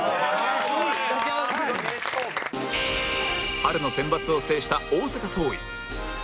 春のセンバツを制した大阪桐蔭